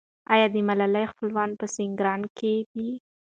آیا د ملالۍ خپلوان په سینګران کې دي؟